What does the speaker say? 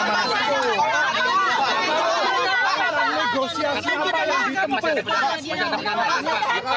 negosiasi apa yang ditempuh